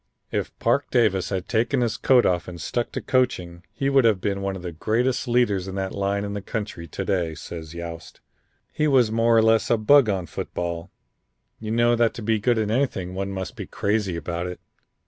"If Parke Davis had taken his coat off and stuck to coaching he would have been one of the greatest leaders in that line in the country to day," says Yost. "He was more or a less a bug on football. You know that to be good in anything one must be crazy about it.